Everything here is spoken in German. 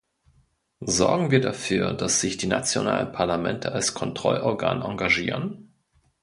Sorgen wir dafür, dass sich die nationalen Parlamente als Kontrollorgan engagieren?